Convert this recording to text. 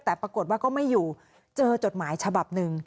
แต่ปรากฏว่าก็ไม่อยู่เจอจดหมายฉบับหนึ่ง